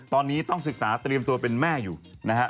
ตอนนี้ต้องศึกษาเตรียมตัวเป็นแม่อยู่นะครับ